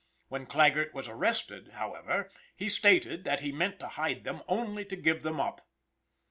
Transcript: When Claggert was arrested, however he stated that he meant to hide them only to give them up.